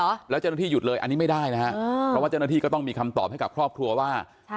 แล้วเจ้าหน้าที่หยุดเลยอันนี้ไม่ได้นะฮะเพราะว่าเจ้าหน้าที่ก็ต้องมีคำตอบให้กับครอบครัวว่า